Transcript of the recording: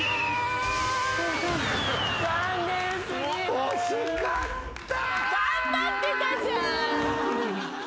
惜しかった。